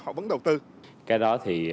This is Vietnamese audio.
họ vẫn đầu tư cái đó thì